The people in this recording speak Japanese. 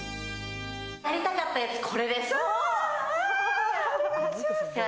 やりたかったやつ、これです。